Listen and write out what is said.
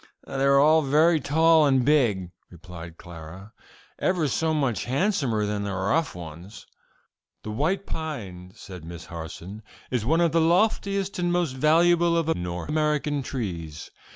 "They are very tall and big," replied Clara "ever so much handsomer than the rough ones." [Illustration: THE WHITE PINE.] "The white pine," said Miss Harson, "is one of the loftiest and most valuable of North American trees.